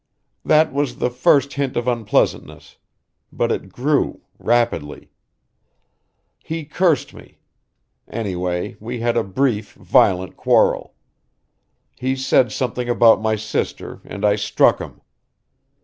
"That was the first hint of unpleasantness. But it grew rapidly. He cursed me anyway we had a brief, violent quarrel. He said something about my sister and I struck him.